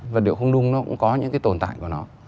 vật liệu không nung nó cũng có những cái tồn tại của nó